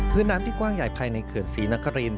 พื้นที่น้ำที่กว้างใหญ่ภายในเขื่อนศรีนคริน